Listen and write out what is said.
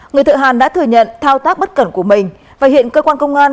người thợ hàn đã thừa nhận thao tác bất cẩn của mình và hiện cơ quan công an